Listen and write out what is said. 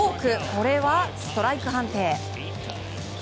これはストライク判定。